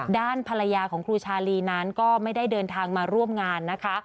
ด้านภรรยาของครูชาลีนั้นก็ไม่ได้เดินทางมาร่วมงานนะคะ